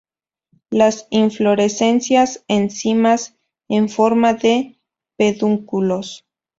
Las inflorescencias en cimas en forma de pedúnculos.